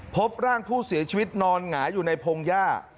พบร่างผู้เสียชีวิตนอนหงายอยู่ในพงหญ้า